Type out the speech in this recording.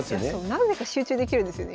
何でか集中できるんですよね